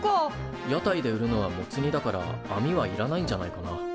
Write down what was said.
屋台で売るのはモツ煮だからあみはいらないんじゃないかな。